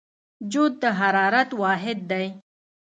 جوت د حرارت واحد دی.